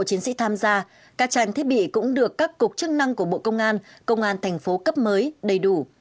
chiến sĩ tham gia các trang thiết bị cũng được các cục chức năng của bộ công an công an thành phố cấp mới đầy đủ